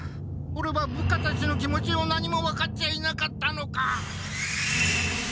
オレは部下たちの気持ちを何も分かっちゃいなかったのか！